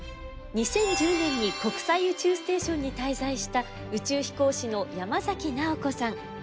２０１０年に国際宇宙ステーションに滞在した宇宙飛行士の山崎直子さん。